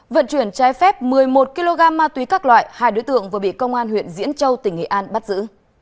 vận chuyển trái phép một mươi một kg ma túy các loại hai đối tượng vừa bị công an huyện diễn châu tỉnh nghệ an bắt giữ